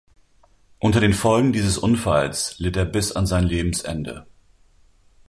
Unter den Folgen dieses Unfalls litt er bis an sein Lebensende.